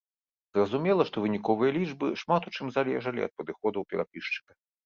Зразумела, што выніковыя лічбы шмат у чым залежалі ад падыходаў перапісчыка.